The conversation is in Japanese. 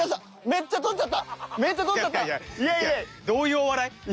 どういうお笑い？